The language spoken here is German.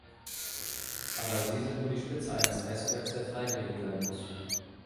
Aber sie sind nur die Spitze eines Eisbergs, der freigelegt werden muss.